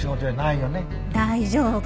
大丈夫。